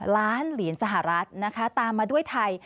ล้านเหรียญสหรัฐนะคะตามมาด้วยไทย